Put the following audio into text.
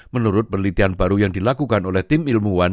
menurut penelitian baru yang dilakukan oleh tim ilmuwan